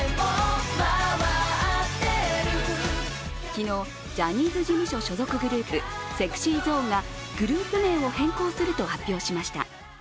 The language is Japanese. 昨日、ジャニーズ事務所所属グループ、ＳｅｘｙＺｏｎｅがグループ名を変更すると発表しました。